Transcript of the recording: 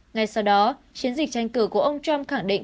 ngay sau đó chiến dịch tranh cử của ông trump khẳng định